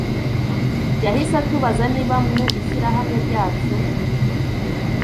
Yahise atubaza niba mu ishyirahamwe ryacu